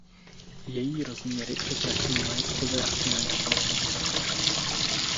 Její rozměry překračují majetkové a finanční hledisko.